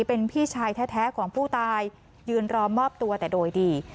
เป็นพี่ชายแท้ของผู้ตายยืนรอมอบตัวแต่โดยดี